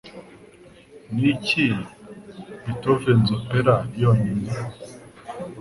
Niki Beethovens Opera Yonyine